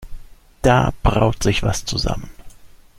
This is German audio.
Da braut sich was zusammen.